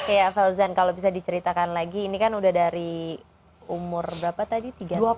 ya fauzan kalau bisa diceritakan lagi ini kan sudah dari umur berapa tadi